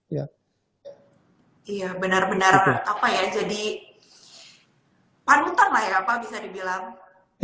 iya benar benar panutan lah ya pak bisa dibilang